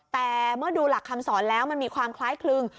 แต่เมื่อดูหลักคำสอนแล้วมันมีความคล้ายคลึง